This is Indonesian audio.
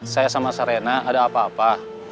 saya sama sarena ada apa apa